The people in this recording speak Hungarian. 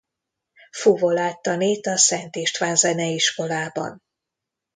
Fuvolát tanít a Szent István Zeneiskolában.